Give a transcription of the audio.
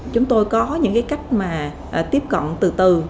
chúng tôi có những cách tiếp cận từ từ